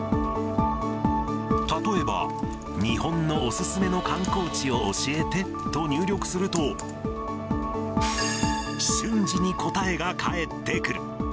例えば、日本のお勧めの観光地を教えてと入力すると、瞬時に答えが返ってくる。